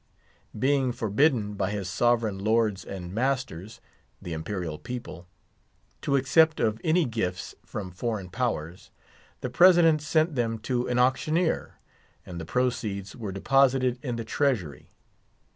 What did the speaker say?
Being forbidden by his sovereign lords and masters, the imperial people, to accept of any gifts from foreign powers, the President sent them to an auctioneer, and the proceeds were deposited in the Treasury.